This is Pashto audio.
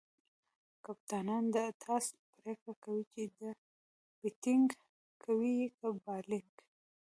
کپتانان د ټاس پرېکړه کوي، چي بيټینګ کوي؛ که بالینګ.